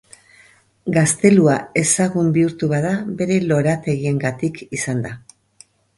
Gaztelua ezagun bihurtu bada bere lorategiengatik izan da.